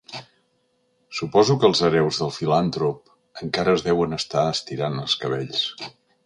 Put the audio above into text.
Suposo que els hereus del filantrop encara es deuen estar estirant els cabells.